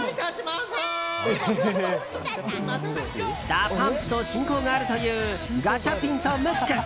ＤＡＰＵＭＰと親交があるというガチャピンとムック。